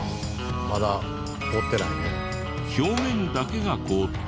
まだ凍ってないね。